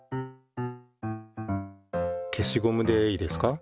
消しゴムでいいですか。